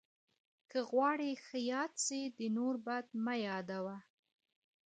که غواړې ښه یاد سې، د نور بد مه یاد وه.